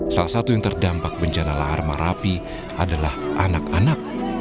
salah satu yang terdampak bencana lahar merapi adalah anak anak